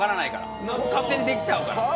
勝手にできちゃうから。